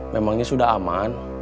memangnya sudah aman